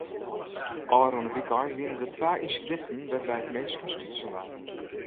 Ofrûne wykein wiene der twa ynsidinten wêrby't minsken stutsen waarden.